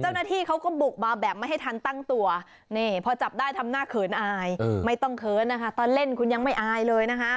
เจ้าหน้าที่เขาก็บุกมาแบบไม่ให้ทันตั้งตัวนี่พอจับได้ทำหน้าเขินอายไม่ต้องเขินนะคะตอนเล่นคุณยังไม่อายเลยนะคะ